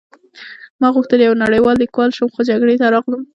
ما غوښتل یو نړۍوال لیکوال شم خو جګړې ته راغلم